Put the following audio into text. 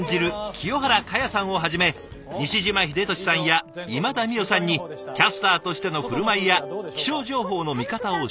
清原果耶さんをはじめ西島秀俊さんや今田美桜さんにキャスターとしての振る舞いや気象情報の見方を指導すること。